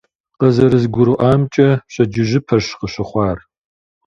КъызэрызгурыӀуамкӀэ, пщэдджыжьыпэрщ къыщыхъуар.